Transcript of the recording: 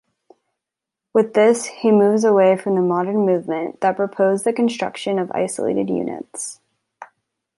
With this he moves away from the modern movement that proposed the construction of isolated units.